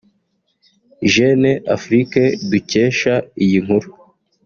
Jeune Afrique dukesha iyi nkuru